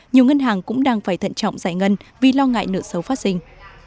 nhiều ngân hàng cũng đang phải thận trọng giải ngân vì lo ngại nợ sâu phát sinh